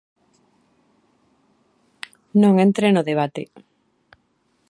Non entre no debate.